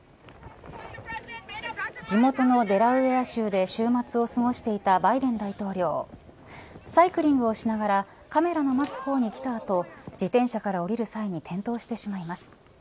地元のデラウエア州で週末を過ごしていたバイデン大統領をサイクリングをしながらカメラの待つ方に来た後自転車から降りる際に転倒してしまいます。